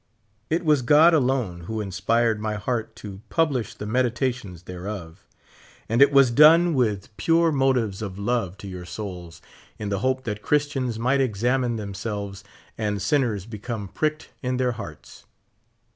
It was God alone who inspired mj^ heart to pub lish the meditations thereof; and it was done with pure 62 motives of love to your souls, in the hope that Christians might examine themselves, and sinners become prieked in their hearts.